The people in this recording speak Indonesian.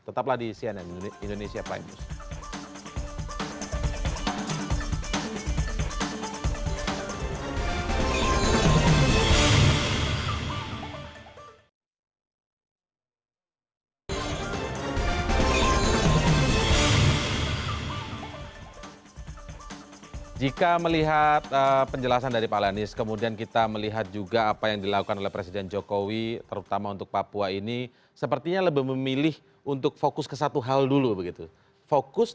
tetaplah di cnn indonesia prime news